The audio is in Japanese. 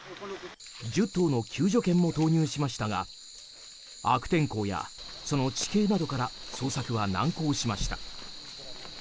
１０頭の救助犬も投入しましたが悪天候や、その地形などから捜索は難航しました。